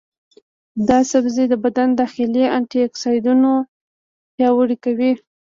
دا سبزی د بدن داخلي انټياکسیدانونه پیاوړي کوي.